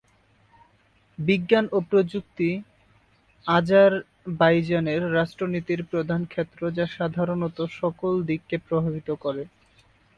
বিজ্ঞান ও প্রযুক্তি আজারবাইজানের রাষ্ট্র নীতির প্রধান ক্ষেত্র যা সাধারণত সকল দিককে প্রভাবিত করে।